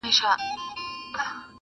پوښتنه به کوی د زمولېدلو ګلغوټیو -